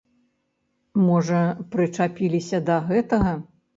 Можа, прычапіліся да гэтага.